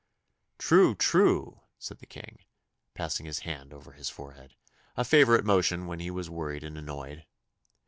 'True, true!' said the King, passing his hand over his forehead a favourite motion when he was worried and annoyed.